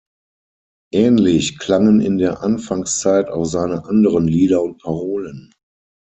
Ähnlich klangen in der Anfangszeit auch seine anderen Lieder und Parolen.